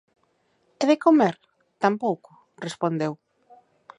"E de comer?", "Tampouco", respondeu.